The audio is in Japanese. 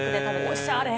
おしゃれ。